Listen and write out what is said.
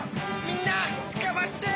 みんなつかまって！